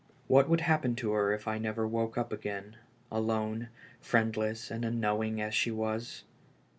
Wliat would happen to her if I never woke up again, alone, friend less, and unknowing as she was?